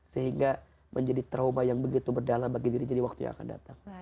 sehingga menjadi trauma yang begitu berdalam bagi dirinya di waktu yang akan datang